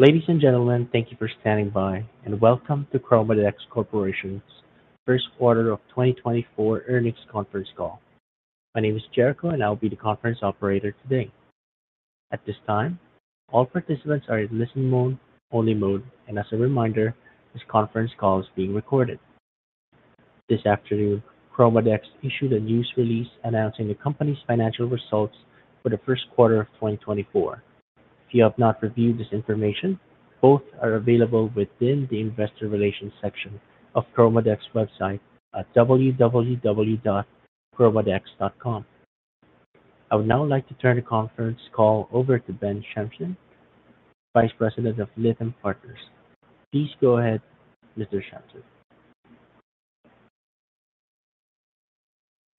Ladies and gentlemen, thank you for standing by, and welcome to ChromaDex Corporation's first quarter of 2024 earnings conference call. My name is Jericho, and I'll be the conference operator today. At this time, all participants are in listen-only mode, and as a reminder, this conference call is being recorded. This afternoon, ChromaDex issued a news release announcing the company's financial results for the first quarter of 2024. If you have not reviewed this information, both are available within the investor relations section of ChromaDex website at www.chromadex.com. I would now like to turn the conference call over to Ben Shamsian, Vice President of Lytham Partners. Please go ahead, Mr. Shamsian.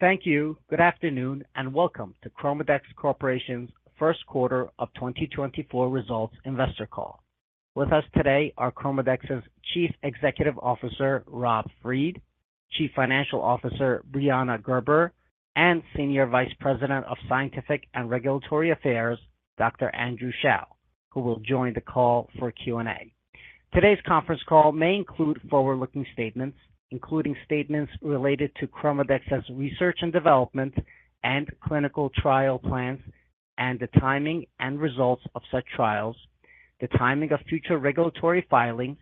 Thank you. Good afternoon and welcome to ChromaDex Corporation's first quarter of 2024 results investor call. With us today are ChromaDex's Chief Executive Officer Rob Fried, Chief Financial Officer Brianna Gerber, and Senior Vice President of Scientific and Regulatory Affairs Dr. Andrew Shao, who will join the call for Q&A. Today's conference call may include forward-looking statements, including statements related to ChromaDex's research and development and clinical trial plans and the timing and results of such trials, the timing of future regulatory filings,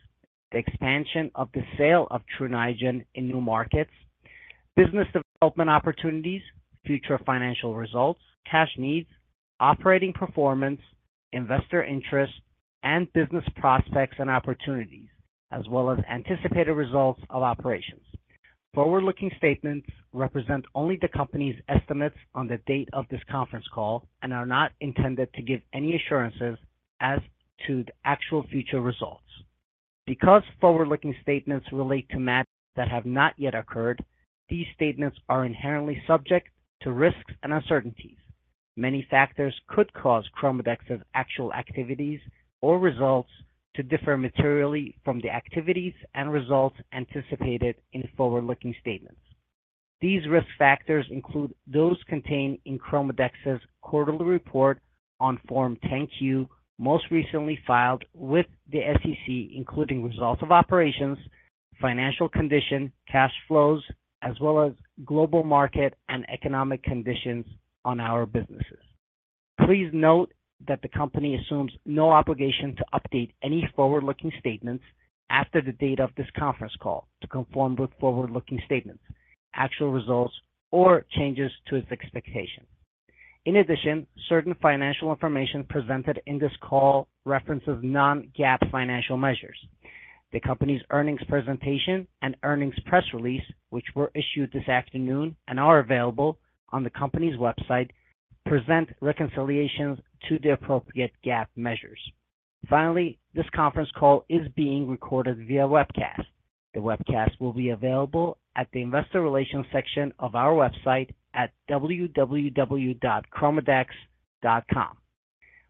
the expansion of the sale of Tru Niagen in new markets, business development opportunities, future financial results, cash needs, operating performance, investor interest, and business prospects and opportunities, as well as anticipated results of operations. Forward-looking statements represent only the company's estimates on the date of this conference call and are not intended to give any assurances as to the actual future results. Because forward-looking statements relate to matters that have not yet occurred, these statements are inherently subject to risks and uncertainties. Many factors could cause ChromaDex's actual activities or results to differ materially from the activities and results anticipated in forward-looking statements. These risk factors include those contained in ChromaDex's quarterly report on Form 10-Q most recently filed with the SEC, including results of operations, financial condition, cash flows, as well as global market and economic conditions on our businesses. Please note that the company assumes no obligation to update any forward-looking statements after the date of this conference call to conform with forward-looking statements, actual results, or changes to its expectations. In addition, certain financial information presented in this call references non-GAAP financial measures. The company's earnings presentation and earnings press release, which were issued this afternoon and are available on the company's website, present reconciliations to the appropriate GAAP measures. Finally, this conference call is being recorded via webcast. The webcast will be available at the investor relations section of our website at www.chromadex.com.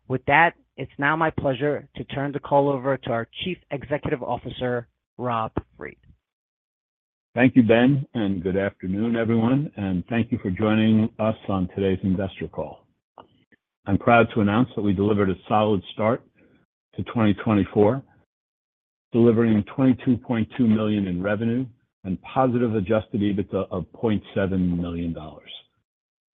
With that, it's now my pleasure to turn the call over to our Chief Executive Officer Rob Fried. Thank you, Ben, and good afternoon, everyone, and thank you for joining us on today's investor call. I'm proud to announce that we delivered a solid start to 2024, delivering $22.2 million in revenue and positive adjusted EBITDA of $0.7 million.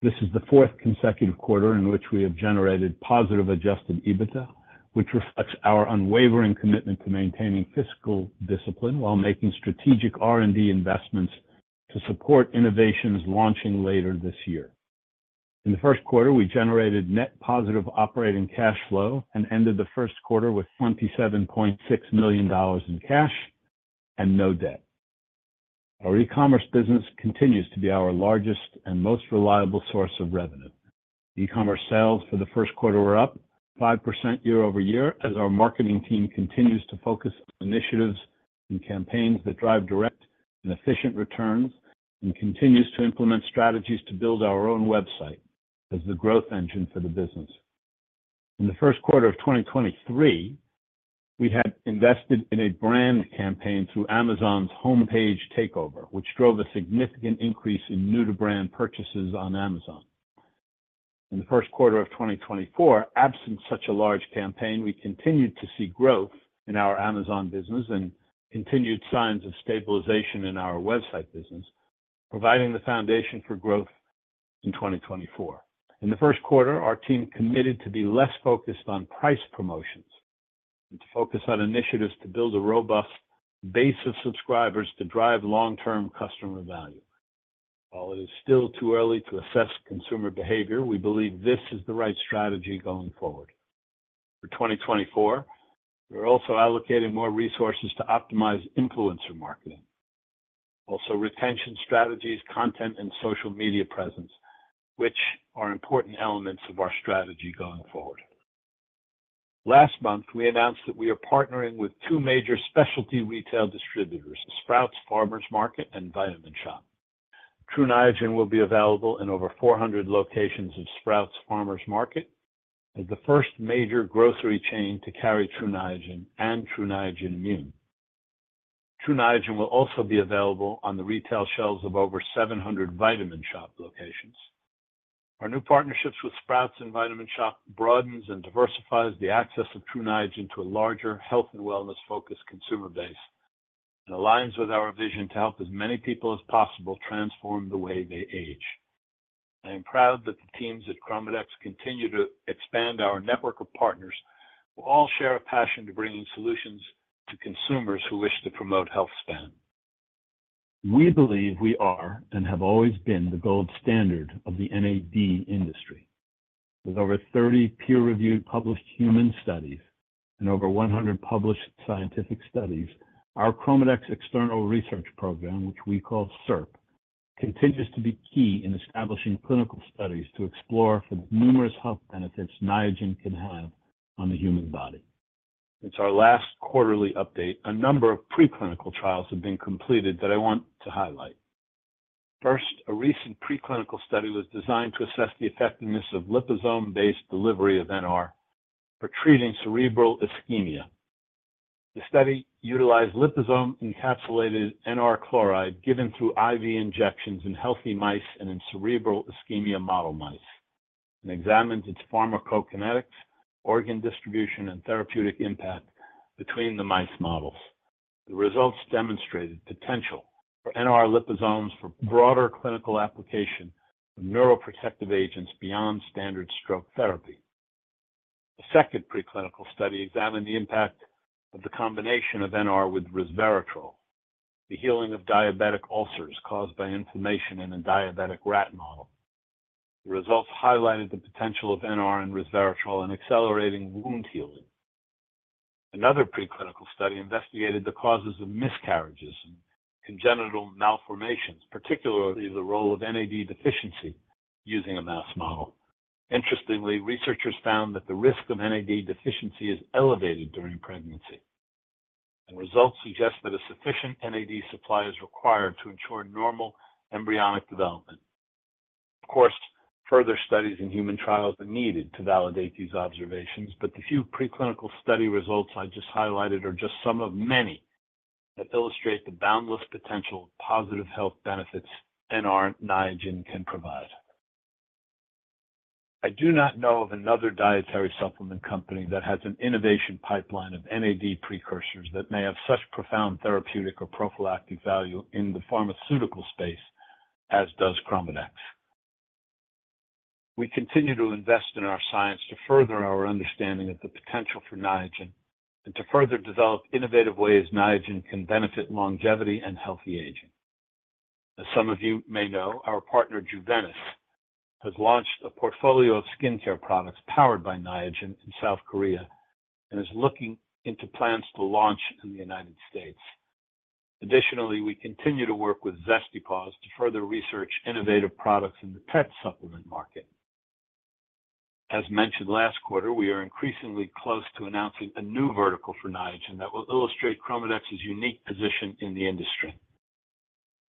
This is the fourth consecutive quarter in which we have generated positive adjusted EBITDA, which reflects our unwavering commitment to maintaining fiscal discipline while making strategic R&D investments to support innovations launching later this year. In the first quarter, we generated net positive operating cash flow and ended the first quarter with $27.6 million in cash and no debt. Our e-commerce business continues to be our largest and most reliable source of revenue. E-commerce sales for the first quarter were up 5% year-over-year as our marketing team continues to focus on initiatives and campaigns that drive direct and efficient returns and continues to implement strategies to build our own website as the growth engine for the business. In the first quarter of 2023, we had invested in a brand campaign through Amazon's homepage takeover, which drove a significant increase in new-to-brand purchases on Amazon. In the first quarter of 2024, absent such a large campaign, we continued to see growth in our Amazon business and continued signs of stabilization in our website business, providing the foundation for growth in 2024. In the first quarter, our team committed to be less focused on price promotions and to focus on initiatives to build a robust base of subscribers to drive long-term customer value. While it is still too early to assess consumer behavior, we believe this is the right strategy going forward. For 2024, we are also allocating more resources to optimize influencer marketing, also retention strategies, content, and social media presence, which are important elements of our strategy going forward. Last month, we announced that we are partnering with two major specialty retail distributors, Sprouts Farmers Market and Vitamin Shoppe. Tru Niagen will be available in over 400 locations of Sprouts Farmers Market as the first major grocery chain to carry Tru Niagen and Tru Niagen Immune. Tru Niagen will also be available on the retail shelves of over 700 Vitamin Shoppe locations. Our new partnerships with Sprouts and Vitamin Shoppe broadens and diversifies the access of Tru Niagen to a larger, health and wellness-focused consumer base and aligns with our vision to help as many people as possible transform the way they age. I am proud that the teams at ChromaDex continue to expand our network of partners who all share a passion to bringing solutions to consumers who wish to promote healthspan. We believe we are and have always been the gold standard of the NAD industry. With over 30 peer-reviewed published human studies and over 100 published scientific studies, our ChromaDex External Research Program, which we call CERP, continues to be key in establishing clinical studies to explore for the numerous health benefits Niagen can have on the human body. In our last quarterly update, a number of preclinical trials have been completed that I want to highlight. First, a recent preclinical study was designed to assess the effectiveness of liposome-based delivery of NR for treating cerebral ischemia. The study utilized liposome-encapsulated NR chloride given through IV injections in healthy mice and in cerebral ischemia model mice and examined its pharmacokinetics, organ distribution, and therapeutic impact between the mice models. The results demonstrated potential for NR liposomes for broader clinical application of neuroprotective agents beyond standard stroke therapy. A second preclinical study examined the impact of the combination of NR with resveratrol, the healing of diabetic ulcers caused by inflammation in a diabetic rat model. The results highlighted the potential of NR and resveratrol in accelerating wound healing. Another preclinical study investigated the causes of miscarriages and congenital malformations, particularly the role of NAD deficiency using a mouse model. Interestingly, researchers found that the risk of NAD deficiency is elevated during pregnancy, and results suggest that a sufficient NAD supply is required to ensure normal embryonic development. Of course, further studies in human trials are needed to validate these observations, but the few preclinical study results I just highlighted are just some of many that illustrate the boundless potential positive health benefits NR and Niagen can provide. I do not know of another dietary supplement company that has an innovation pipeline of NAD precursors that may have such profound therapeutic or prophylactic value in the pharmaceutical space as does ChromaDex. We continue to invest in our science to further our understanding of the potential for Niagen and to further develop innovative ways Niagen can benefit longevity and healthy aging. As some of you may know, our partner Juvenis has launched a portfolio of skincare products powered by Niagen in South Korea and is looking into plans to launch in the United States. Additionally, we continue to work with Zesty Paws to further research innovative products in the pet supplement market. As mentioned last quarter, we are increasingly close to announcing a new vertical for Niagen that will illustrate ChromaDex's unique position in the industry.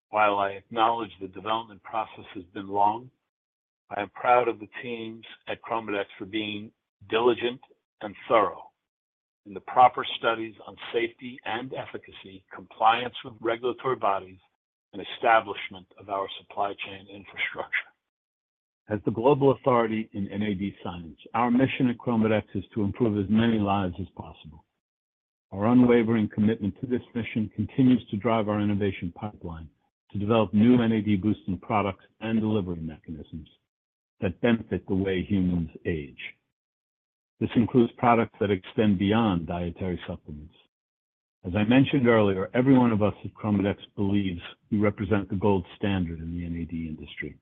While I acknowledge the development process has been long, I am proud of the teams at ChromaDex for being diligent and thorough in the proper studies on safety and efficacy, compliance with regulatory bodies, and establishment of our supply chain infrastructure. As the global authority in NAD science, our mission at ChromaDex is to improve as many lives as possible. Our unwavering commitment to this mission continues to drive our innovation pipeline to develop new NAD-boosting products and delivery mechanisms that benefit the way humans age. This includes products that extend beyond dietary supplements. As I mentioned earlier, every one of us at ChromaDex believes we represent the gold standard in the NAD industry,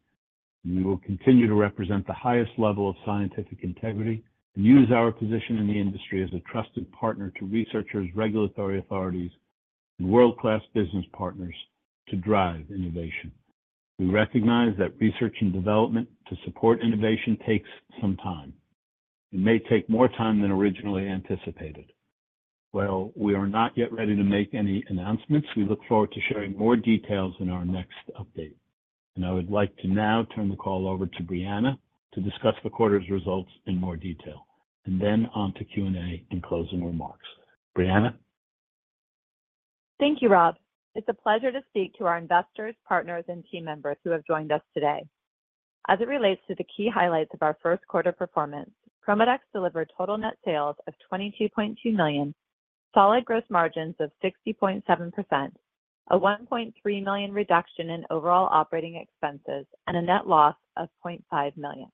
and we will continue to represent the highest level of scientific integrity and use our position in the industry as a trusted partner to researchers, regulatory authorities, and world-class business partners to drive innovation. We recognize that research and development to support innovation takes some time. It may take more time than originally anticipated. While we are not yet ready to make any announcements, we look forward to sharing more details in our next update. I would like to now turn the call over to Brianna to discuss the quarter's results in more detail and then on to Q&A and closing remarks. Brianna? Thank you, Rob. It's a pleasure to speak to our investors, partners, and team members who have joined us today. As it relates to the key highlights of our first quarter performance, ChromaDex delivered total net sales of $22.2 million, solid gross margins of 60.7%, a $1.3 million reduction in overall operating expenses, and a net loss of $0.5 million.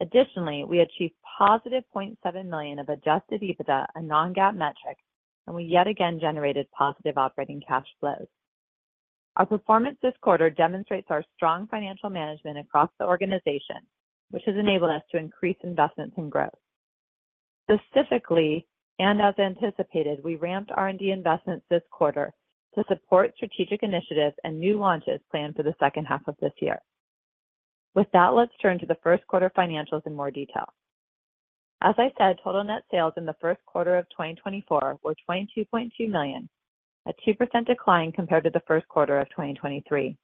Additionally, we achieved positive $0.7 million of Adjusted EBITDA, a non-GAAP metric, and we yet again generated positive operating cash flows. Our performance this quarter demonstrates our strong financial management across the organization, which has enabled us to increase investments in growth. Specifically, and as anticipated, we ramped R&D investments this quarter to support strategic initiatives and new launches planned for the second half of this year. With that, let's turn to the first quarter financials in more detail. As I said, total net sales in the first quarter of 2024 were $22.2 million, a 2% decline compared to the first quarter of 2023.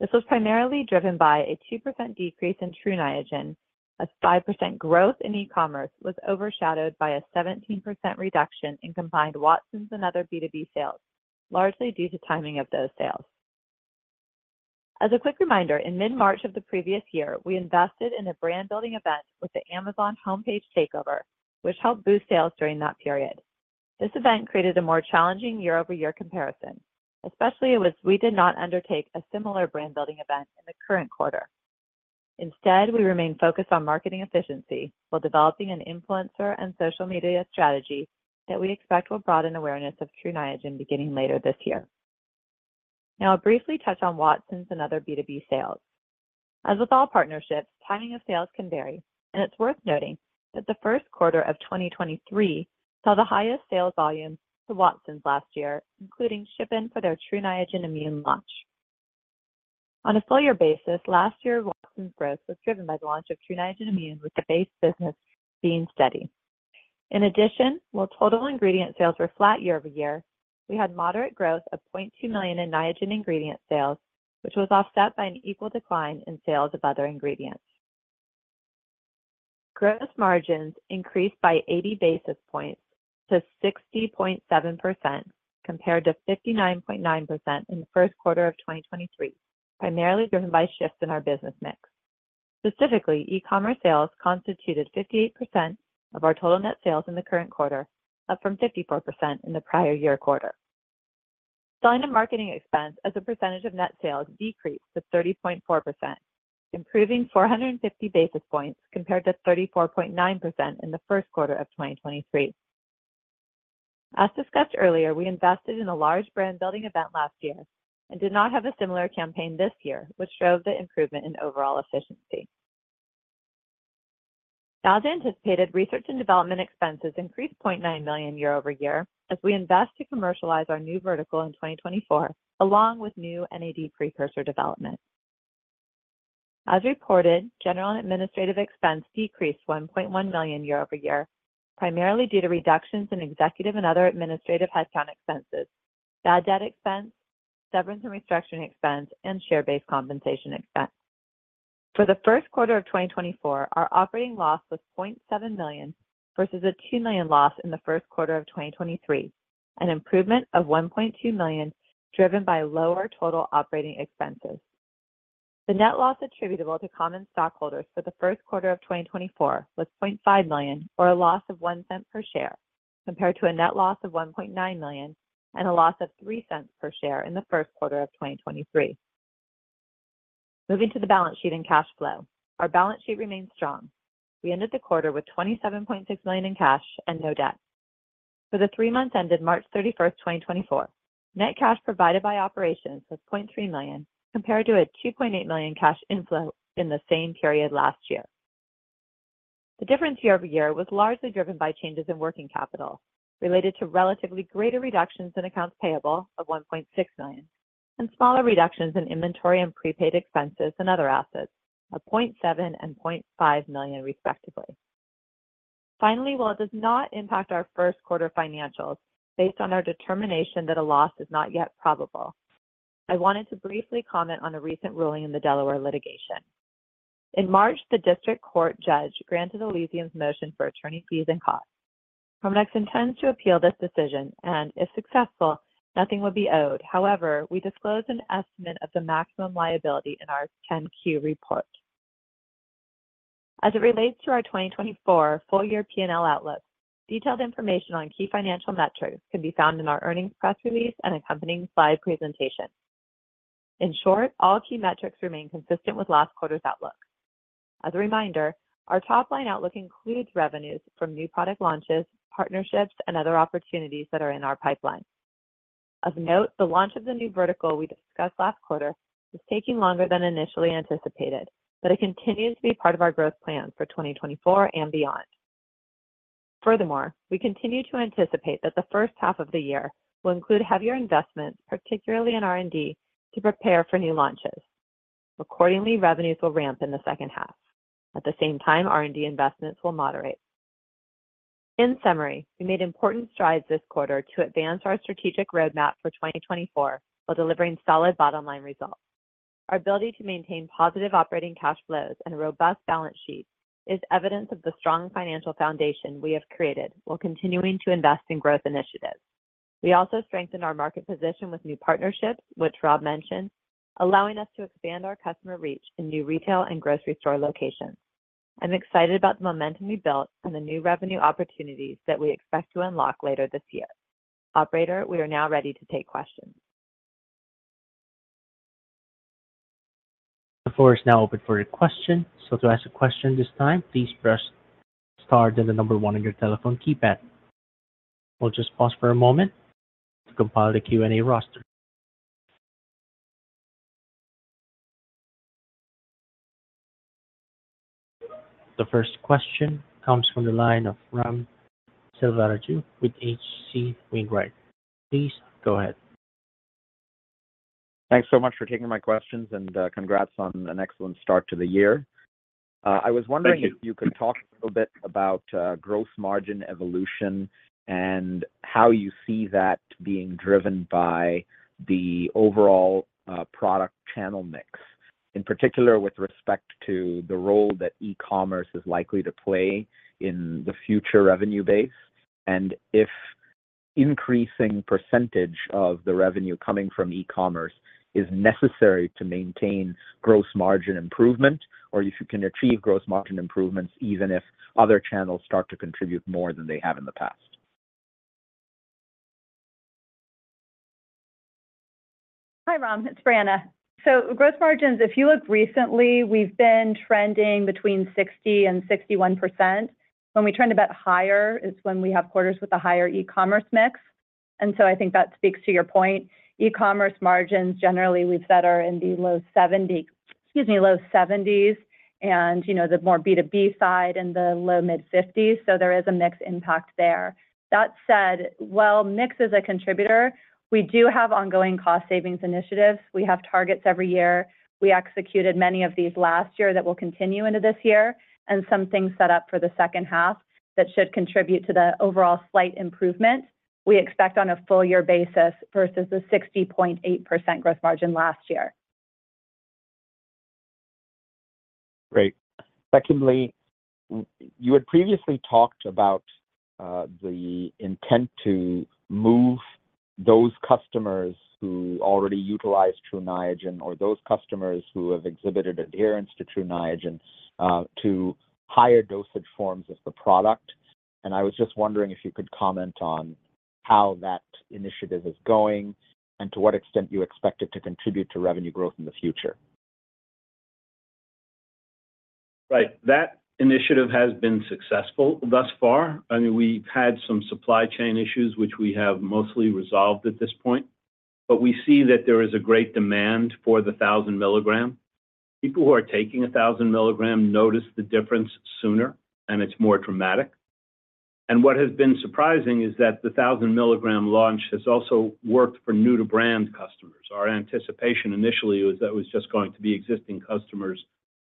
This was primarily driven by a 2% decrease in Tru Niagen, as 5% growth in e-commerce was overshadowed by a 17% reduction in combined Watsons and other B2B sales, largely due to timing of those sales. As a quick reminder, in mid-March of the previous year, we invested in a brand-building event with the Amazon homepage takeover, which helped boost sales during that period. This event created a more challenging year-over-year comparison, especially as we did not undertake a similar brand-building event in the current quarter. Instead, we remained focused on marketing efficiency while developing an influencer and social media strategy that we expect will broaden awareness of Tru Niagen beginning later this year. Now, I'll briefly touch on Watsons and other B2B sales. As with all partnerships, timing of sales can vary, and it's worth noting that the first quarter of 2023 saw the highest sales volume to Watsons last year, including ship-in for their Tru Niagen Immune launch. On a full-year basis, last year, Watsons growth was driven by the launch of Tru Niagen Immune, with the base business being steady. In addition, while total ingredient sales were flat year-over-year, we had moderate growth of $0.2 million in Niagen ingredient sales, which was offset by an equal decline in sales of other ingredients. Gross margins increased by 80 basis points to 60.7% compared to 59.9% in the first quarter of 2023, primarily driven by shifts in our business mix. Specifically, e-commerce sales constituted 58% of our total net sales in the current quarter, up from 54% in the prior year quarter. Selling and marketing expense, as a percentage of net sales, decreased to 30.4%, improving 450 basis points compared to 34.9% in the first quarter of 2023. As discussed earlier, we invested in a large brand-building event last year and did not have a similar campaign this year, which drove the improvement in overall efficiency. As anticipated, research and development expenses increased $0.9 million year over year as we invest to commercialize our new vertical in 2024, along with new NAD precursor development. As reported, general and administrative expense decreased $1.1 million year over year, primarily due to reductions in executive and other administrative headcount expenses, bad debt expense, severance and restriction expense, and share-based compensation expense. For the first quarter of 2024, our operating loss was $0.7 million versus a $2 million loss in the first quarter of 2023, an improvement of $1.2 million driven by lower total operating expenses. The net loss attributable to common stockholders for the first quarter of 2024 was $0.5 million, or a loss of $0.01 per share, compared to a net loss of $1.9 million and a loss of $0.03 per share in the first quarter of 2023. Moving to the balance sheet and cash flow, our balance sheet remained strong. We ended the quarter with $27.6 million in cash and no debt. For the three months ended March 31st, 2024, net cash provided by operations was $0.3 million compared to a $2.8 million cash inflow in the same period last year. The difference year-over-year was largely driven by changes in working capital related to relatively greater reductions in accounts payable of $1.6 million and smaller reductions in inventory and prepaid expenses and other assets of $0.7 million and $0.5 million, respectively. Finally, while it does not impact our first quarter financials based on our determination that a loss is not yet probable, I wanted to briefly comment on a recent ruling in the Delaware litigation. In March, the district court judge granted Elysium's motion for attorney fees and costs. ChromaDex intends to appeal this decision and, if successful, nothing will be owed. However, we disclosed an estimate of the maximum liability in our 10-Q report. As it relates to our 2024 full-year P&L outlook, detailed information on key financial metrics can be found in our earnings press release and accompanying slide presentation. In short, all key metrics remain consistent with last quarter's outlook. As a reminder, our top-line outlook includes revenues from new product launches, partnerships, and other opportunities that are in our pipeline. Of note, the launch of the new vertical we discussed last quarter is taking longer than initially anticipated, but it continues to be part of our growth plan for 2024 and beyond. Furthermore, we continue to anticipate that the first half of the year will include heavier investments, particularly in R&D, to prepare for new launches. Accordingly, revenues will ramp in the second half. At the same time, R&D investments will moderate. In summary, we made important strides this quarter to advance our strategic roadmap for 2024 while delivering solid bottom-line results. Our ability to maintain positive operating cash flows and a robust balance sheet is evidence of the strong financial foundation we have created while continuing to invest in growth initiatives. We also strengthened our market position with new partnerships, which Rob mentioned, allowing us to expand our customer reach in new retail and grocery store locations. I'm excited about the momentum we built and the new revenue opportunities that we expect to unlock later this year. Operator, we are now ready to take questions. The floor is now open for your question. So, to ask a question this time, please press star and the number one on your telephone keypad. We'll just pause for a moment to compile the Q&A roster. The first question comes from the line of Ram Selvaraju with H.C. Wainwright. Please go ahead. Thanks so much for taking my questions and congrats on an excellent start to the year. I was wondering if you could talk a little bit about gross margin evolution and how you see that being driven by the overall product channel mix, in particular with respect to the role that e-commerce is likely to play in the future revenue base, and if increasing percentage of the revenue coming from e-commerce is necessary to maintain gross margin improvement, or if you can achieve gross margin improvements even if other channels start to contribute more than they have in the past? Hi, Ram. It's Brianna. So, gross margins, if you look recently, we've been trending between 60%-61%. When we trend a bit higher, it's when we have quarters with a higher e-commerce mix. And so I think that speaks to your point. E-commerce margins, generally, we've said are in the low 70s and the more B2B side in the low mid-50s. So there is a mixed impact there. That said, while mix is a contributor, we do have ongoing cost savings initiatives. We have targets every year. We executed many of these last year that will continue into this year and some things set up for the second half that should contribute to the overall slight improvement we expect on a full-year basis versus the 60.8% gross margin last year. Great. Secondly, you had previously talked about the intent to move those customers who already utilize Tru Niagen or those customers who have exhibited adherence to Tru Niagen to higher dosage forms of the product. I was just wondering if you could comment on how that initiative is going and to what extent you expect it to contribute to revenue growth in the future. Right. That initiative has been successful thus far. I mean, we've had some supply chain issues, which we have mostly resolved at this point. But we see that there is a great demand for the 1,000 mg. People who are taking 1,000 mg notice the difference sooner, and it's more dramatic. And what has been surprising is that the 1,000 mg launch has also worked for new-to-brand customers. Our anticipation initially was that it was just going to be existing customers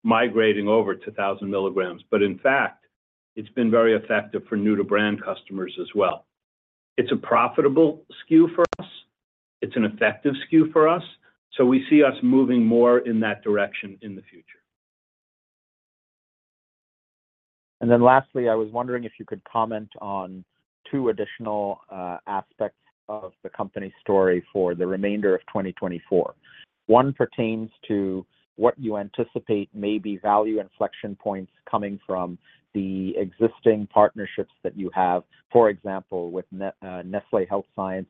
migrating over to 1,000 mg. But in fact, it's been very effective for new-to-brand customers as well. It's a profitable skew for us. It's an effective skew for us. So we see us moving more in that direction in the future. And then lastly, I was wondering if you could comment on two additional aspects of the company's story for the remainder of 2024. One pertains to what you anticipate may be value inflection points coming from the existing partnerships that you have, for example, with Nestlé Health Science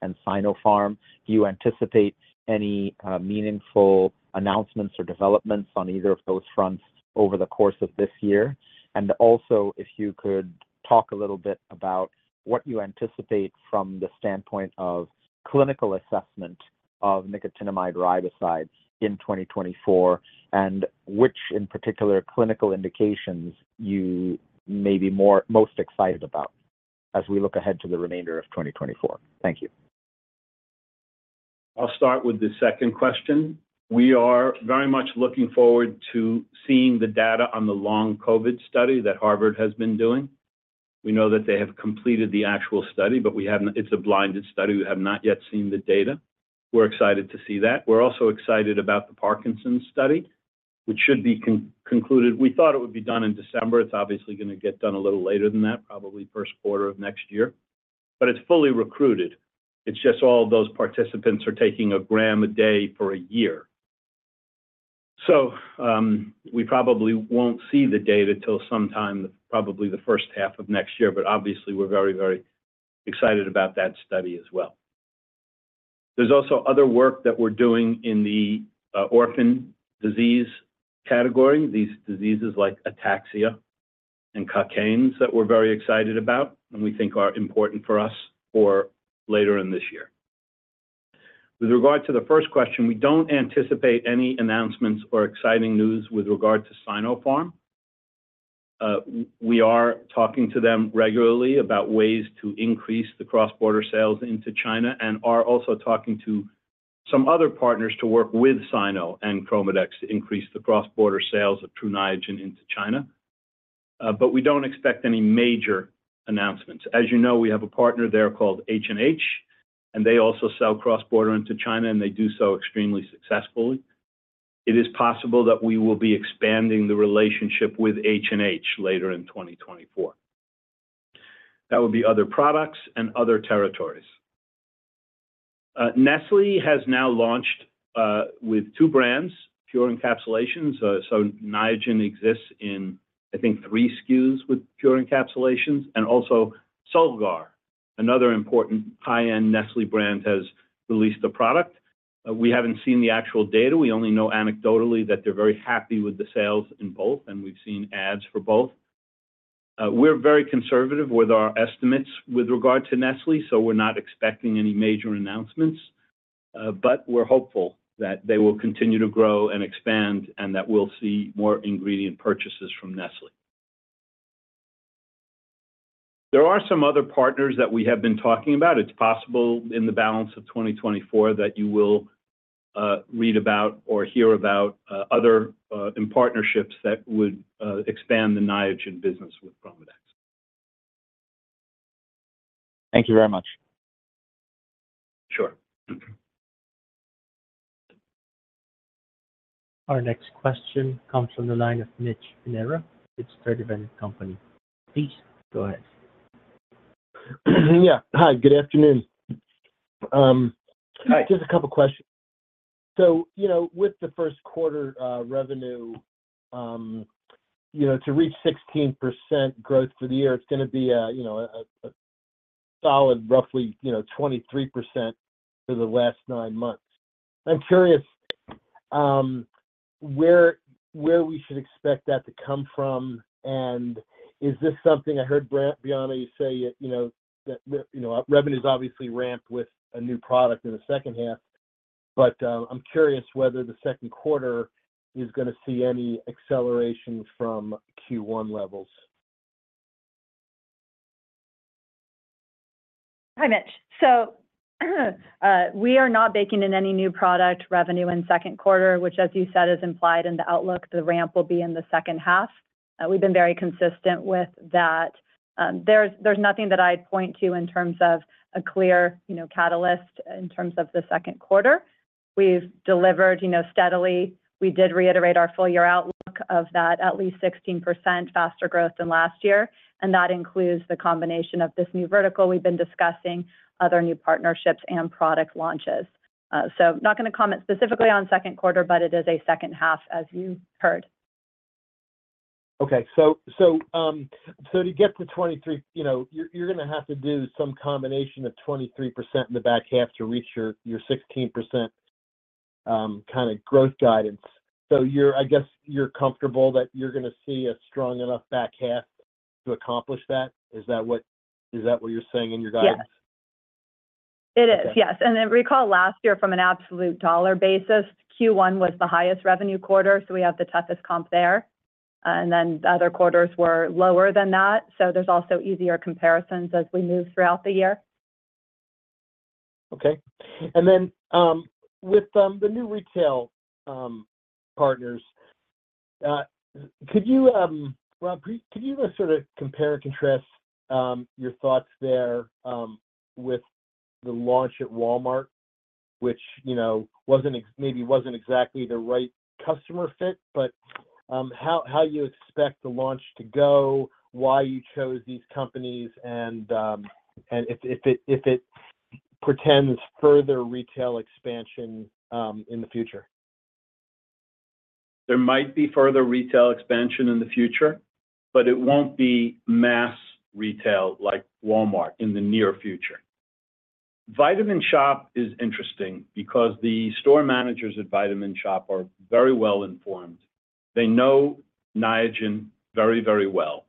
and Sinopharm. Do you anticipate any meaningful announcements or developments on either of those fronts over the course of this year? And also, if you could talk a little bit about what you anticipate from the standpoint of clinical assessment of nicotinamide riboside in 2024 and which, in particular, clinical indications you may be most excited about as we look ahead to the remainder of 2024? Thank you. I'll start with the second question. We are very much looking forward to seeing the data on the Long COVID study that Harvard has been doing. We know that they have completed the actual study, but it's a blinded study. We have not yet seen the data. We're excited to see that. We're also excited about the Parkinson's study, which should be concluded. We thought it would be done in December. It's obviously going to get done a little later than that, probably first quarter of next year. But it's fully recruited. It's just all of those participants are taking 1 gram a day for a year. So we probably won't see the data till sometime, probably the first half of next year. But obviously, we're very, very excited about that study as well. There's also other work that we're doing in the orphan disease category, these diseases like ataxia and Cockayne syndrome that we're very excited about and we think are important for us for later in this year. With regard to the first question, we don't anticipate any announcements or exciting news with regard to Sinopharm. We are talking to them regularly about ways to increase the cross-border sales into China and are also talking to some other partners to work with Sino and ChromaDex to increase the cross-border sales of Tru Niagen into China. But we don't expect any major announcements. As you know, we have a partner there called H&H, and they also sell cross-border into China, and they do so extremely successfully. It is possible that we will be expanding the relationship with H&H later in 2024. That would be other products and other territories. Nestlé has now launched with two brands, Pure Encapsulations. So Niagen exists in, I think, three SKUs with Pure Encapsulations and also Solgar, another important high-end Nestlé brand, has released a product. We haven't seen the actual data. We only know anecdotally that they're very happy with the sales in both, and we've seen ads for both. We're very conservative with our estimates with regard to Nestlé, so we're not expecting any major announcements. But we're hopeful that they will continue to grow and expand and that we'll see more ingredient purchases from Nestlé. There are some other partners that we have been talking about. It's possible in the balance of 2024 that you will read about or hear about other partnerships that would expand the Niagen business with ChromaDex. Thank you very much. Sure. Our next question comes from the line of Mitch Pinheiro. It's Sturdivant & Company. Please go ahead. Yeah. Hi. Good afternoon. Just a couple of questions. So with the first quarter revenue, to reach 16% growth for the year, it's going to be a solid, roughly 23% for the last nine months. I'm curious where we should expect that to come from, and is this something I heard Brianna, you say that revenues obviously ramp with a new product in the second half. But I'm curious whether the second quarter is going to see any acceleration from Q1 levels. Hi, Mitch. So we are not baking in any new product revenue in second quarter, which, as you said, is implied in the outlook. The ramp will be in the second half. We've been very consistent with that. There's nothing that I'd point to in terms of a clear catalyst in terms of the second quarter. We've delivered steadily. We did reiterate our full-year outlook of that at least 16% faster growth than last year. And that includes the combination of this new vertical we've been discussing, other new partnerships, and product launches. So not going to comment specifically on second quarter, but it is a second half, as you heard. Okay. So to get to 23, you're going to have to do some combination of 23% in the back half to reach your 16% kind of growth guidance. So I guess you're comfortable that you're going to see a strong enough back half to accomplish that. Is that what you're saying in your guidance? Yes. It is. Yes. And recall last year, from an absolute dollar basis, Q1 was the highest revenue quarter, so we have the toughest comp there. And then the other quarters were lower than that. So there's also easier comparisons as we move throughout the year. Okay. And then with the new retail partners, Rob, could you sort of compare and contrast your thoughts there with the launch at Walmart, which maybe wasn't exactly the right customer fit, but how you expect the launch to go, why you chose these companies, and if it portends further retail expansion in the future? There might be further retail expansion in the future, but it won't be mass retail like Walmart in the near future. Vitamin Shoppe is interesting because the store managers at Vitamin Shoppe are very well informed. They know Niagen very, very well.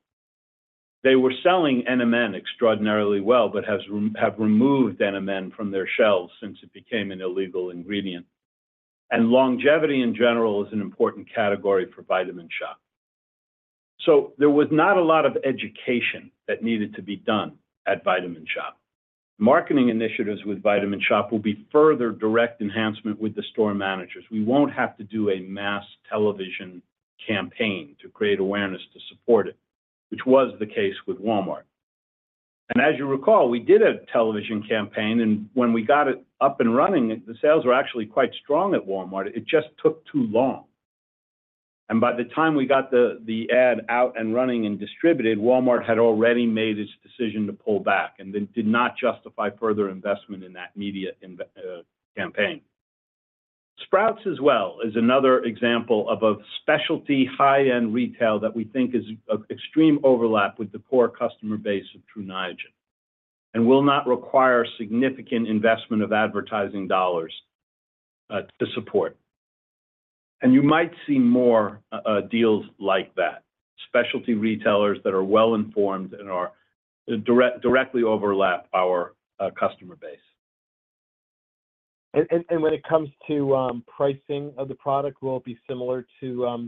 They were selling NMN extraordinarily well but have removed NMN from their shelves since it became an illegal ingredient. And longevity, in general, is an important category for Vitamin Shoppe. So there was not a lot of education that needed to be done at Vitamin Shoppe. Marketing initiatives with Vitamin Shoppe will be further direct enhancement with the store managers. We won't have to do a mass television campaign to create awareness to support it, which was the case with Walmart. And as you recall, we did a television campaign, and when we got it up and running, the sales were actually quite strong at Walmart. It just took too long. By the time we got the ad out and running and distributed, Walmart had already made its decision to pull back and did not justify further investment in that media campaign. Sprouts as well is another example of a specialty high-end retail that we think is of extreme overlap with the core customer base of Tru Niagen and will not require significant investment of advertising dollars to support. You might see more deals like that, specialty retailers that are well-informed and directly overlap our customer base. When it comes to pricing of the product, will it be similar to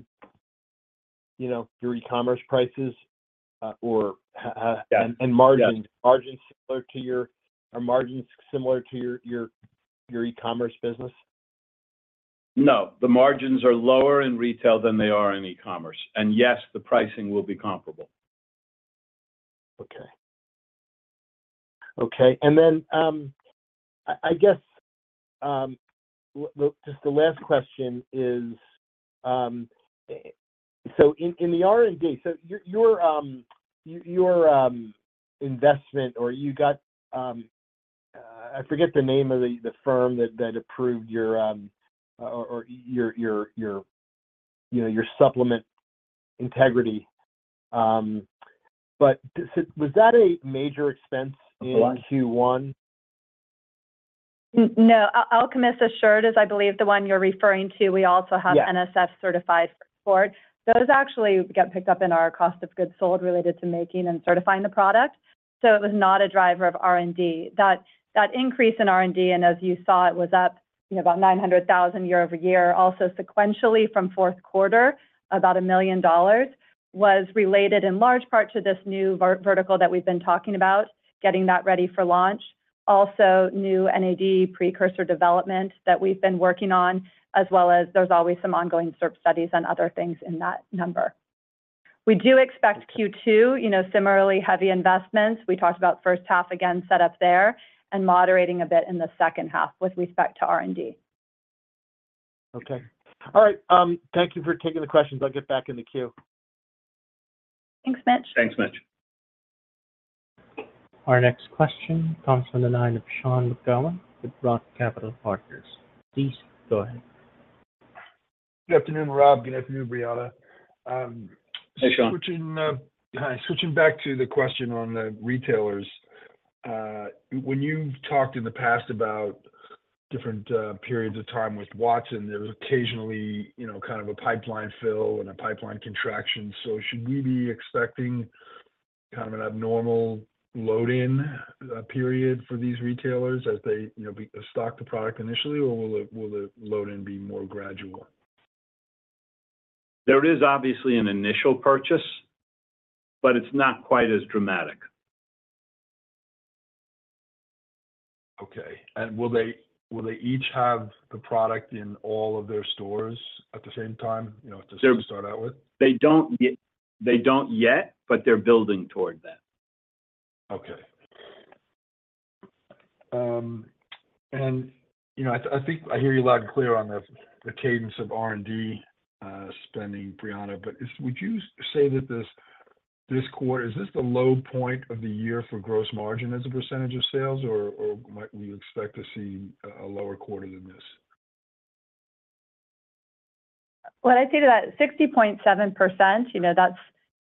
your e-commerce prices or? Yes. Are margins similar to your e-commerce business? No. The margins are lower in retail than they are in e-commerce. Yes, the pricing will be comparable. Okay. Okay. And then I guess just the last question is so in the R&D, so your investment or you got I forget the name of the firm that approved your supplement integrity. But was that a major expense in Q1? No. Alkemist Assured is, I believe, the one you're referring to. We also have NSF-certified for sport. Those actually get picked up in our cost of goods sold related to making and certifying the product. So it was not a driver of R&D. That increase in R&D, and as you saw, it was up about $900,000 year-over-year. Also sequentially from fourth quarter, about $1 million was related in large part to this new vertical that we've been talking about, getting that ready for launch. Also, new NAD precursor development that we've been working on, as well as there's always some ongoing CERP studies and other things in that number. We do expect Q2 similarly heavy investments. We talked about first half, again, set up there and moderating a bit in the second half with respect to R&D. Okay. All right. Thank you for taking the questions. I'll get back in the queue. Thanks, Mitch. Thanks, Mitch. Our next question comes from the line of Sean McGowan with ROTH Capital Partners. Please go ahead. Good afternoon, Rob. Good afternoon, Brianna. Hey, Sean. Switching back to the question on the retailers. When you've talked in the past about different periods of time with Watsons, there was occasionally kind of a pipeline fill and a pipeline contraction. So should we be expecting kind of an abnormal load-in period for these retailers as they stock the product initially, or will the load-in be more gradual? There is obviously an initial purchase, but it's not quite as dramatic. Okay. Will they each have the product in all of their stores at the same time to start out with? They don't yet, but they're building toward that. Okay. I hear you loud and clear on the cadence of R&D spending, Brianna. But would you say that this quarter is the low point of the year for gross margin as a percentage of sales, or will you expect to see a lower quarter than this? Well, I'd say that 60.7% that's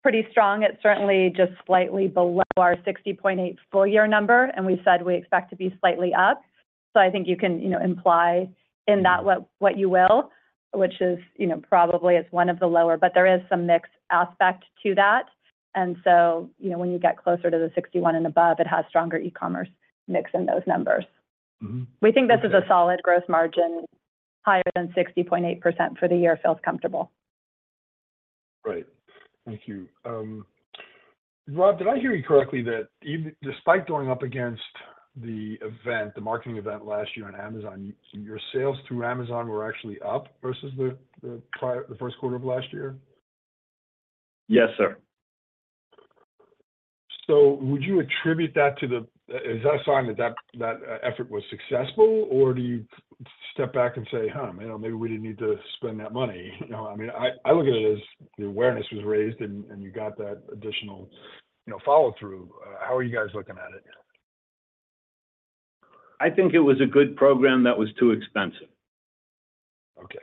pretty strong. It's certainly just slightly below our 60.8% full-year number, and we said we expect to be slightly up. So I think you can imply in that what you will, which is probably it's one of the lower, but there is some mixed aspect to that. And so when you get closer to the 61% and above, it has stronger e-commerce mix in those numbers. We think this is a solid gross margin. Higher than 60.8% for the year feels comfortable. Right. Thank you. Rob, did I hear you correctly that despite going up against the marketing event last year on Amazon, your sales through Amazon were actually up versus the first quarter of last year? Yes, sir. So would you attribute that? Is that a sign that that effort was successful, or do you step back and say, "Huh, maybe we didn't need to spend that money"? I mean, I look at it as the awareness was raised and you got that additional follow-through. How are you guys looking at it? I think it was a good program that was too expensive. Okay.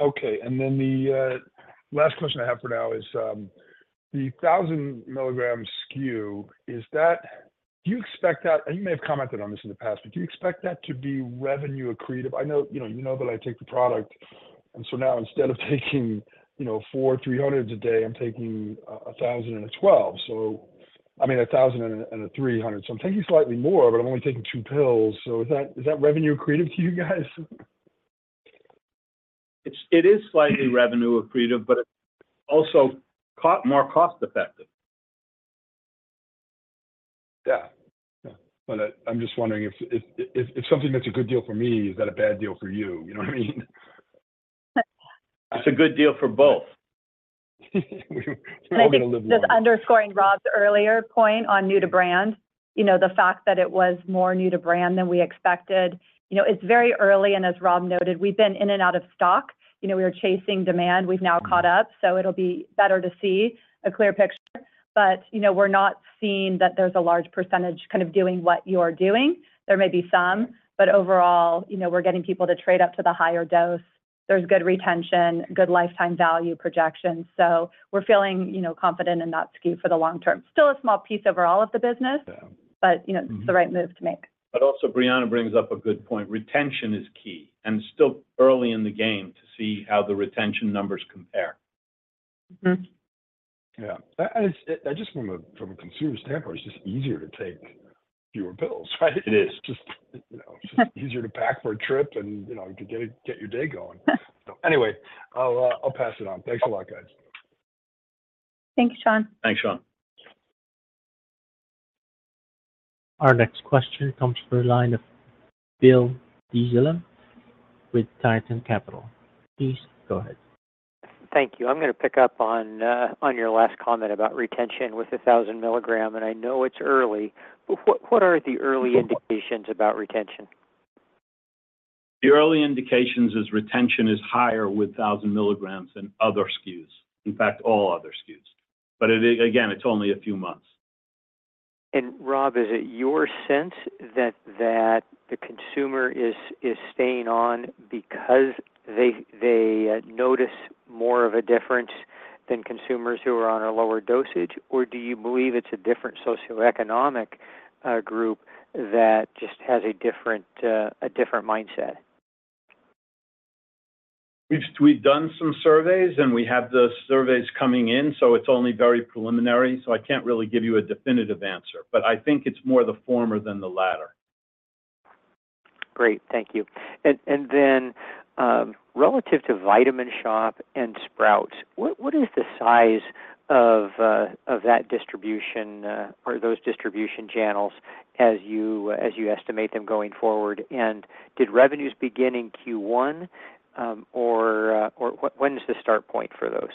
Okay. Then the last question I have for now is the 1,000 mg SKU. Do you expect that and you may have commented on this in the past but do you expect that to be revenue accretive? I know you know that I take the product. And so now instead of taking four 300s a day, I'm taking 1,000 and a 12. So I mean, 1,000 and a 300. So I'm taking slightly more, but I'm only taking two pills. So is that revenue accretive to you guys? It is slightly revenue accretive, but it's also more cost-effective. Yeah. Yeah. But I'm just wondering if something that's a good deal for me, is that a bad deal for you? You know what I mean? It's a good deal for both. We're all going to live with it. I think just underscoring Rob's earlier point on new to brand, the fact that it was more new to brand than we expected, it's very early. And as Rob noted, we've been in and out of stock. We were chasing demand. We've now caught up. So it'll be better to see a clear picture. But we're not seeing that there's a large percentage kind of doing what you are doing. There may be some, but overall, we're getting people to trade up to the higher dose. There's good retention, good lifetime value projections. So we're feeling confident in that SKU for the long term. Still a small piece overall of the business, but it's the right move to make. Also, Brianna, brings up a good point. Retention is key. It's still early in the game to see how the retention numbers compare. Yeah. And I just from a consumer standpoint, it's just easier to take fewer pills, right? It is. It's just easier to pack for a trip and to get your day going. So anyway, I'll pass it on. Thanks a lot, guys. Thanks, Sean. Thanks, Sean. Our next question comes from the line of Bill Dezellem with Tieton Capital Management. Please go ahead. Thank you. I'm going to pick up on your last comment about retention with 1,000 mg. And I know it's early, but what are the early indications about retention? The early indications is retention is higher with 1,000 mg than other SKUs, in fact, all other SKUs. But again, it's only a few months. Rob, is it your sense that the consumer is staying on because they notice more of a difference than consumers who are on a lower dosage, or do you believe it's a different socioeconomic group that just has a different mindset? We've done some surveys, and we have the surveys coming in. So it's only very preliminary. So I can't really give you a definitive answer. But I think it's more the former than the latter. Great. Thank you. And then relative to Vitamin Shoppe and Sprouts, what is the size of that distribution or those distribution channels as you estimate them going forward? And did revenues begin in Q1, or when is the start point for those?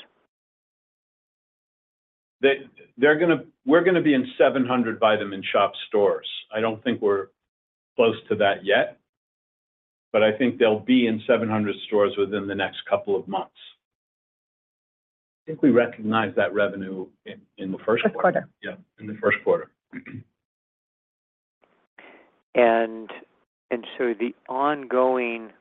We're going to be in 700 The Vitamin Shoppe stores. I don't think we're close to that yet, but I think they'll be in 700 stores within the next couple of months. I think we recognize that revenue in the first quarter. First quarter. Yeah, in the first quarter. So the ongoing,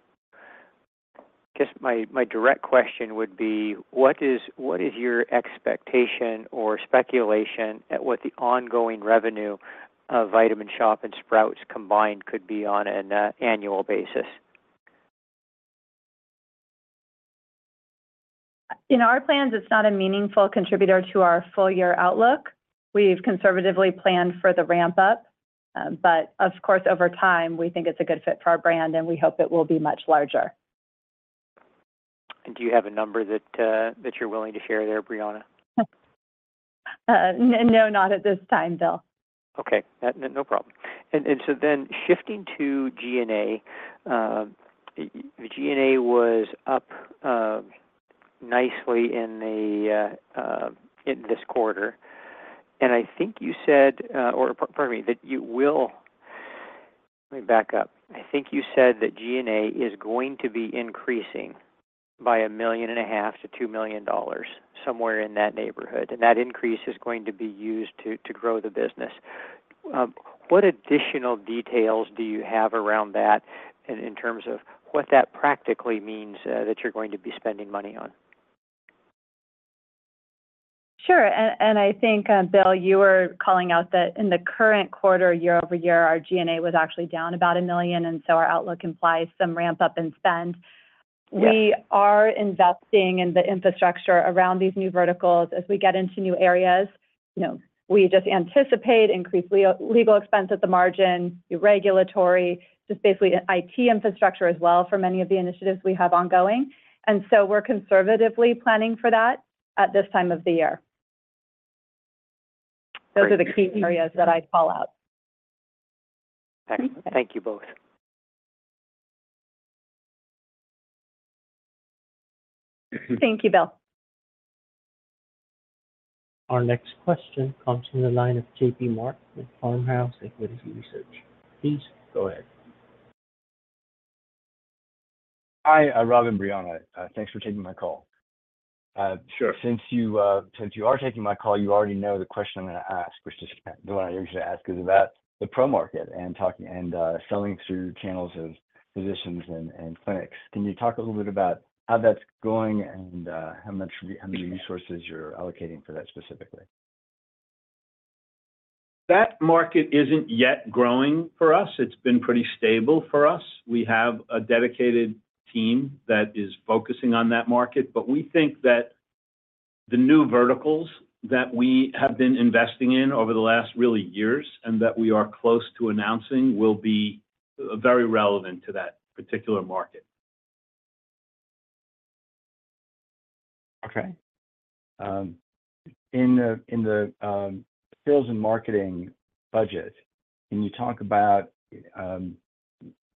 I guess, my direct question would be, what is your expectation or speculation at what the ongoing revenue of Vitamin Shoppe and Sprouts combined could be on an annual basis? In our plans, it's not a meaningful contributor to our full-year outlook. We've conservatively planned for the ramp-up. But of course, over time, we think it's a good fit for our brand, and we hope it will be much larger. Do you have a number that you're willing to share there, Brianna? No, not at this time, Bill. Okay. No problem. And so then shifting to G&A, the G&A was up nicely in this quarter. And I think you said, or pardon me, let me back up. I think you said that G&A is going to be increasing by $1.5 million-$2 million, somewhere in that neighborhood. And that increase is going to be used to grow the business. What additional details do you have around that in terms of what that practically means that you're going to be spending money on? Sure. And I think, Bill, you were calling out that in the current quarter, year-over-year, our GNA was actually down about $1 million. And so our outlook implies some ramp-up in spend. We are investing in the infrastructure around these new verticals as we get into new areas. We just anticipate increased legal expense at the margin, regulatory, just basically IT infrastructure as well for many of the initiatives we have ongoing. And so we're conservatively planning for that at this time of the year. Those are the key areas that I call out. Thank you both. Thank you, Bill. Our next question comes from the line of JP Mark at Farmhouse Equity Research. Please go ahead. Hi, Rob and Brianna. Thanks for taking my call. Since you are taking my call, you already know the question I'm going to ask, which is the one I usually ask, is about the pro market and selling through channels of physicians and clinics. Can you talk a little bit about how that's going and how many resources you're allocating for that specifically? That market isn't yet growing for us. It's been pretty stable for us. We have a dedicated team that is focusing on that market. But we think that the new verticals that we have been investing in over the last really years and that we are close to announcing will be very relevant to that particular market. Okay. In the sales and marketing budget, can you talk about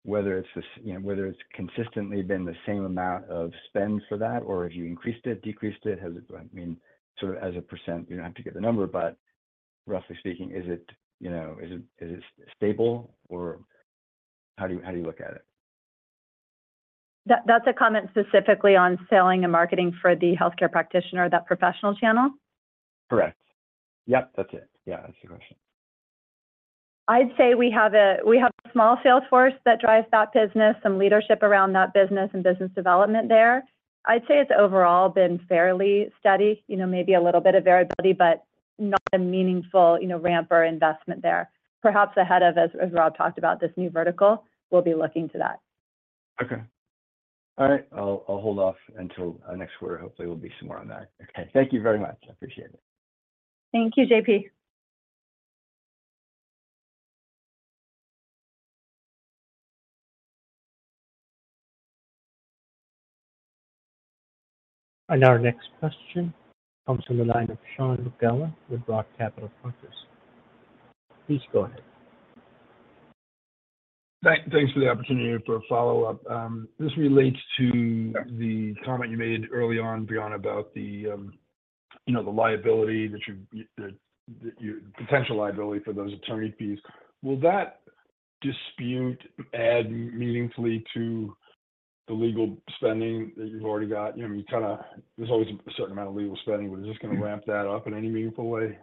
whether it's consistently been the same amount of spend for that, or have you increased it, decreased it? I mean, sort of as a percent, you don't have to give the number, but roughly speaking, is it stable, or how do you look at it? That's a comment specifically on selling and marketing for the healthcare practitioner, that professional channel? Correct. Yep, that's it. Yeah, that's the question. I'd say we have a small sales force that drives that business, some leadership around that business and business development there. I'd say it's overall been fairly steady, maybe a little bit of variability, but not a meaningful ramp or investment there. Perhaps ahead of, as Rob Fried talked about, this new vertical, we'll be looking to that. Okay. All right. I'll hold off until next quarter. Hopefully, we'll be some more on that. Okay. Thank you very much. I appreciate it. Thank you, J.P. Our next question comes from the line of Sean McGowan with ROTH Capital Partners. Please go ahead. Thanks for the opportunity for a follow-up. This relates to the comment you made early on, Brianna, about the liability, the potential liability for those attorney fees. Will that dispute add meaningfully to the legal spending that you've already got? I mean, there's always a certain amount of legal spending, but is this going to ramp that up in any meaningful way?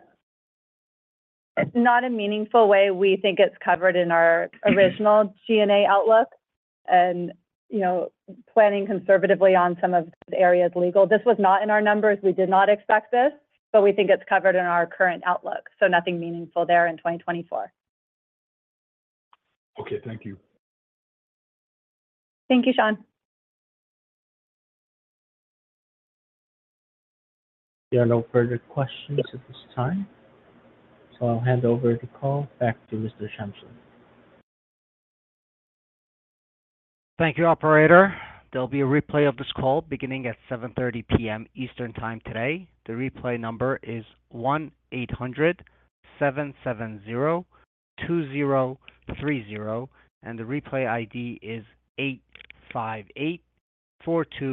Not in a meaningful way. We think it's covered in our original GAAP outlook and planning conservatively on some of the legal areas. This was not in our numbers. We did not expect this, but we think it's covered in our current outlook. So nothing meaningful there in 2024. Okay. Thank you. Thank you, Sean. Yeah. No further questions at this time. So I'll hand over the call back to Mr. Shamsian. Thank you, operator. There'll be a replay of this call beginning at 7:30 P.M. Eastern Time today. The replay number is 1-800-770-2030, and the replay ID is 85842.